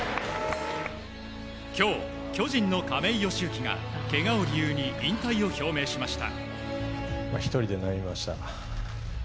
今日、巨人の亀井善行がけがを理由に引退を表明しました。